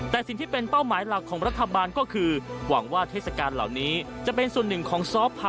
แต่สิ่งที่เป็นเป้าหมายหลักของรัฐบาลก็คือหวังว่าเทศกาลเหล่านี้จะเป็นส่วนหนึ่งของซอฟพา